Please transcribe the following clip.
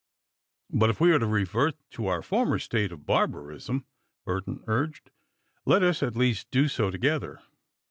"But if we are to revert to our former state of barbarism," Burton urged, "let us at least do so together."